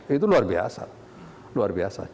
itu luar biasa